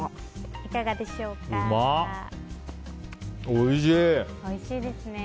おいしい。